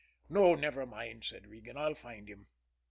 "No; never mind," said Regan. "I'll find him."